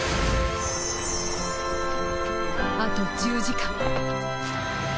あと１０時間。